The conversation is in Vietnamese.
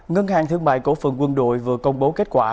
ngân hàng thương mại cổ phận quân đội vừa công bố kết quả